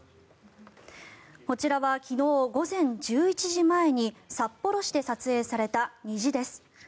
こちらは昨日午前１１時前に札幌市で撮影された虹です。